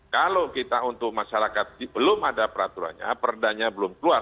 kalau kita untuk masyarakat belum ada peraturannya perdanya belum keluar